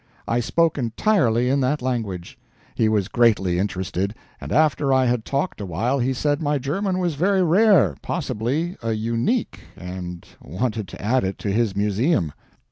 I spoke entirely in that language. He was greatly interested; and after I had talked a while he said my German was very rare, possibly a "unique"; and wanted to add it to his museum.